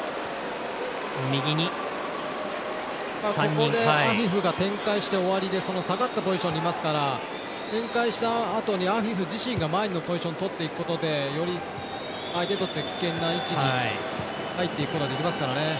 ここでアフィフが展開して終わりで下がったポジションにいますから展開したあとにアフィフ自身が前のポジションをとっていくことでより相手にとって危険な位置に入っていくことはできますからね。